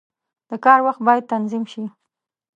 • د کار وخت باید تنظیم شي.